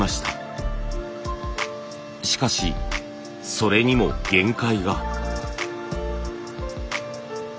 しかしそれにも限界が。